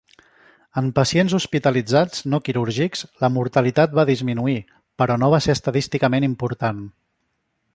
En pacients hospitalitzats no quirúrgics, la mortalitat va disminuir, però no va ser estadísticament important.